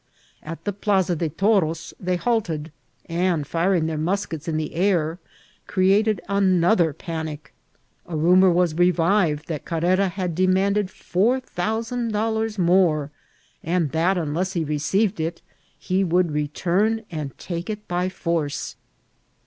At the Plaaa de Toros they halted, and, firing their muskets in the air, created another panic. A rumour was revived that C^OTera had demanded four thousand ddilars more, and that, unless he received it, he would return and take it by force.